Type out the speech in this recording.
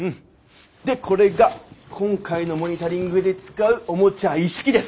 でこれが今回のモニタリングで使うおもちゃ一式です。